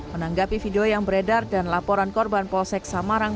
menanggapi video yang beredar dan laporan korban polsek samarang